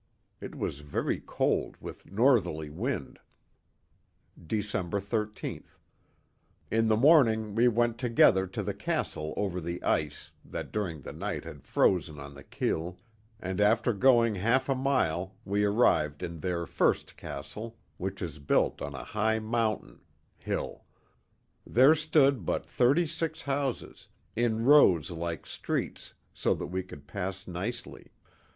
It was very cold, with northerly wind. Dec. 13th. — In the morning we went together to the Castle over the ice that during the night had frozen on the kil, and, after going half a mile, we arrived in their first Castle, which is built on a high mountain [hill]. There stood but thirty six houses, in rows like streets, so that we could pass nicely.